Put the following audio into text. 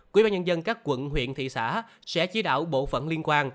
quý bà nhân dân các quận huyện thị xã sẽ chỉ đạo bộ phận liên quan